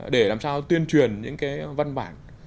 để làm sao tuyên truyền những cái văn bản